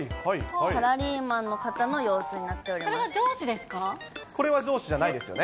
サラリーマンの方の様子になってそれは上司ですか？